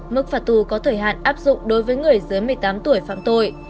mức phạt tù có thời hạn áp dụng đối với người dưới một mươi tám tuổi phạm tội